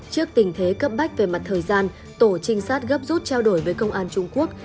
trước tình thế cấp bách về mặt thời gian tổ trinh sát gấp rút trao đổi với công an trung quốc